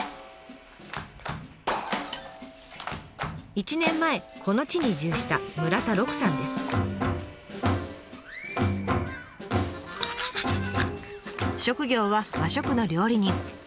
１年前この地に移住した職業は和食の料理人。